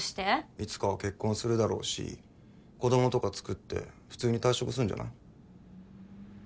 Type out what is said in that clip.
いつかは結婚するだろうし子供とかつくって普通に退職すんじゃない？